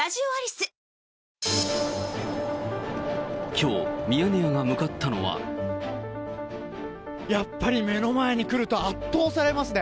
きょう、ミヤネ屋が向かったのは。やっぱり目の前に来ると圧倒されますね。